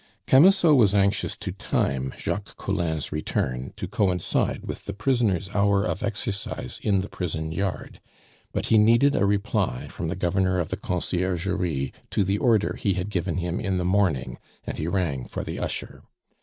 Camusot was anxious to time Jacques Collin's return to coincide with the prisoners' hour of exercise in the prison yard; but he needed a reply from the Governor of the Conciergerie to the order he had given him in the morning, and he rang for the usher.